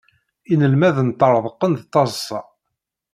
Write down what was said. Inelmaden ṭṭreḍqen d taḍsa.